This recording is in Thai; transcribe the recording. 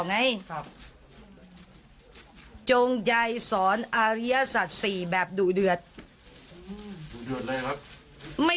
ไม่ดุเดือดยังไง